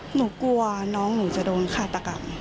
หนูกลัวน้องหนูจะโดนฆาตกรรม